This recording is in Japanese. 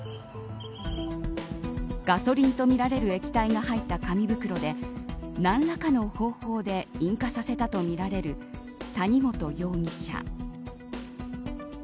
ガソリンとみられる液体が入った紙袋で何らかの方法で引火させたとみられる谷本容疑者。